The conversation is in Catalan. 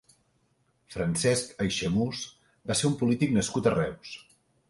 Francesc Aixemús va ser un polític nascut a Reus.